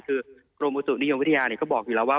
คือโรงประสูตรนิยมวิทยาบอกอยู่แล้วว่า